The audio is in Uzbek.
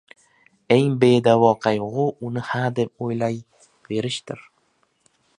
Eng bedavo qayg‘u — uni hadeb o‘ylayverishdir.